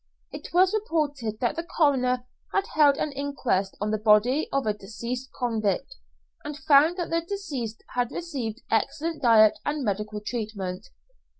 It was reported that the coroner had held an inquest on the body of a deceased convict, and found that the deceased had received excellent diet and medical treatment.